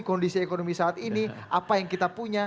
kondisi ekonomi saat ini apa yang kita punya